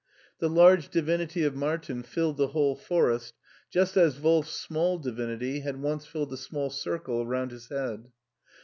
The large divinity of Martin filled the whole forest, just as Wolf's small divinity had once filled a small circle around his head.